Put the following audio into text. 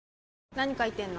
何書いてんの？